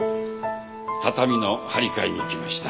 畳の張り替えに来ました。